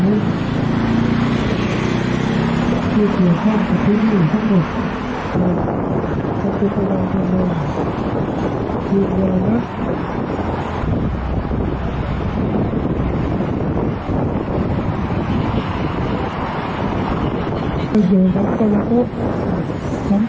ที่เกี่ยวข้างหนึ่งที่เกี่ยวข้างหนึ่ง